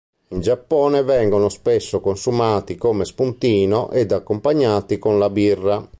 In Giappone vengono spesso consumati come spuntino ed accompagnati con la birra.